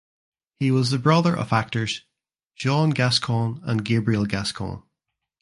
He was the brother of actors Jean Gascon and Gabriel Gascon.